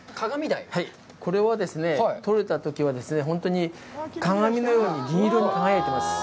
これはですね、取れたときは本当に鏡のように銀色に輝いています。